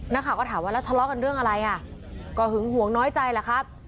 นักข่าวก็ถามว่าแล้วทะเลาะกันเรื่องอะไรอ่ะก็หึงหวงน้อยใจแหละครับ